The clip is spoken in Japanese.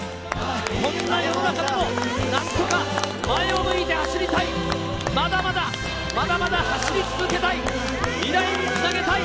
こんな世の中でもなんとか前を向いて走りたい、まだまだ、まだまだ走り続けたい、未来につなげたい。